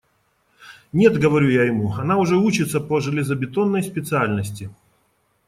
«Нет, – говорю я ему, – она уже учится по железобетонной специальности».